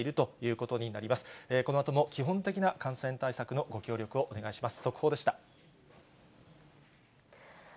このあとも基本的な感染対策のご協力をお願いします。